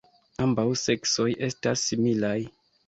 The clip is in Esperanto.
Ambaŭ seksoj estas similaj.